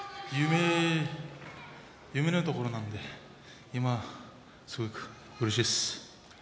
夢のようなところなので今すごくうれしいです。